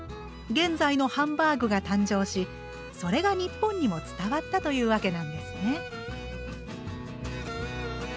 現在のハンバーグが誕生しそれが日本にも伝わったというわけなんですね。